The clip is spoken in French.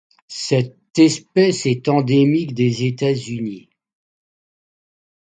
Cette espèce est endémique des États-Unis.